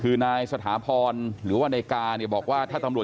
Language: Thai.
คือนายสถาพรหรือว่าในก่าบอกว่าถ้าตำรวจ